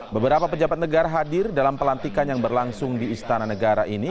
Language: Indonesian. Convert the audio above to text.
beberapa pejabat negara hadir dalam pelantikan yang berlangsung di istana negara ini